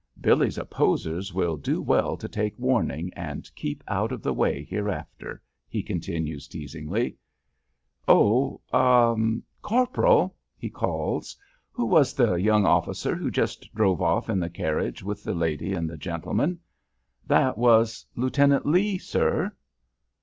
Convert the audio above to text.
Billy's opposers will do well to take warning and keep out of the way hereafter," he continues, teasingly. "Oh ah corporal!" he calls, "who was the young officer who just drove off in the carriage with the lady and gentleman?" "That was Lieutenant Lee, sir."